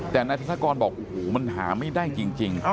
แต่นายธนกรบอกโอ้โหมันหาไม่ได้จริง